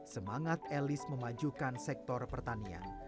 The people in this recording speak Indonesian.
semangat elis memajukan sektor pertanian